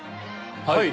はい。